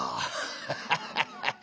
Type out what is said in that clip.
ハハハハッ！